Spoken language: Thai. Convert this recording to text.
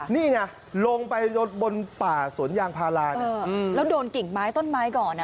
นี่ไงลงไปบนป่าสวนยางพารานะแล้วโดนกิ่งไม้ต้นไม้ก่อน